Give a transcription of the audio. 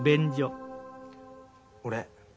俺。